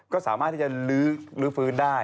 ก็สามารถที่จะลื้อฟื้นได้